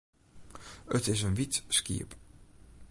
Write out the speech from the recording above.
It is in wyt skiep.